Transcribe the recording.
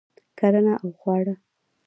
کرنه او خواړه